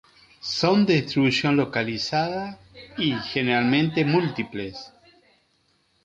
Son de distribución localizada y generalmente múltiples.